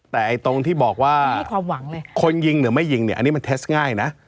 แต่ตรงที่บอกว่าคนยิงหรือไม่ยิงเนี่ยอันนี้มันเทสง่ายนะ